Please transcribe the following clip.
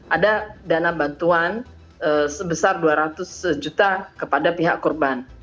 ada dana bantuan sebesar dua ratus juta kepada pihak korban